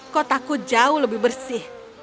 kotaku jauh lebih bersih